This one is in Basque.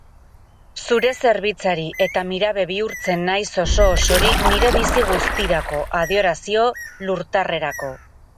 Zure zerbitzari eta mirabe bihurtzen naiz oso-osorik nire bizi guztirako, adorazio lurtarrerako.